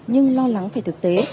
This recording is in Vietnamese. nhưng lo lắng phải thực tế